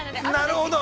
◆なるほど。